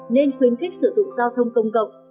nên khuyến khích sử dụng giao thông công cộng